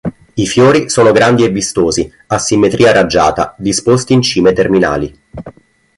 I fiori sono grandi e vistosi, a simmetria raggiata, disposti in cime terminali.